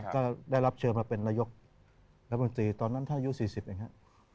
ก็ได้รับเชิญมาเป็นระยกรับบัญชีตอนนั้นถ้ายู่๔๐นะครับ